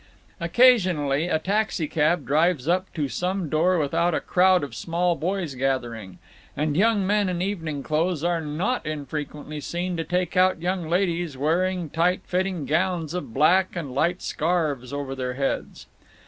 Occasionally a taxicab drives up to some door without a crowd of small boys gathering; and young men in evening clothes are not infrequently seen to take out young ladies wearing tight fitting gowns of black, and light scarfs over their heads.